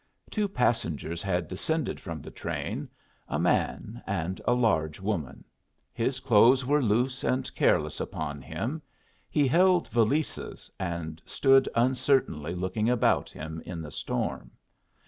Two passengers had descended from the train, a man and a large woman. His clothes were loose and careless upon him. He held valises, and stood uncertainly looking about him in the storm.